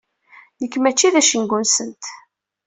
Nekk mačči d acengu-nsent.